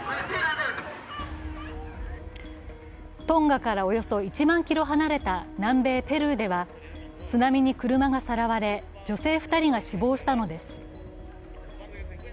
トンガからおよそ１万ｋｍ離れた南米ペルーでは津波に車がさらわれ、女性２人が死亡したのです。